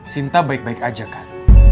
sinta baik baik aja kan